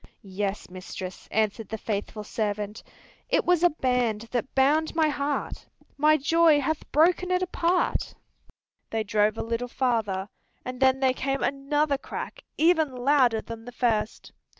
"Yes, mistress," answered the faithful servant, "It was a band that bound my heart. My joy hath broken it apart." They drove a little farther, and then there came another crack, even louder than the first.